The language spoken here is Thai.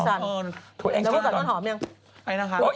แล้วก็สั่งต้นหอมเนี่ย